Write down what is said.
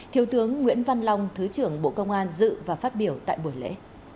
thiếu tướng nguyễn văn long thứ trưởng bộ công an dự và phát biểu tại buổi lễ